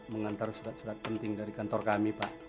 mengantar surat surat penting dari kantor kami pak